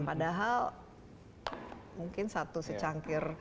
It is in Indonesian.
padahal mungkin satu secangkir